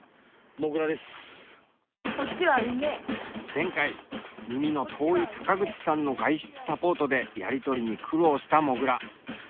前回耳の遠い坂口さんの外出サポートでやり取りに苦労したもぐら。